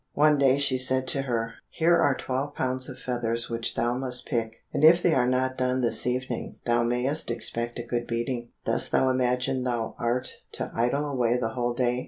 One day she said to her, "Here are twelve pounds of feathers which thou must pick, and if they are not done this evening, thou mayst expect a good beating. Dost thou imagine thou art to idle away the whole day?"